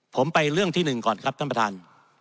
ผมไปเรื่องที่๑ก่อนครับท่านประธาน